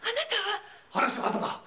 話はあとだ。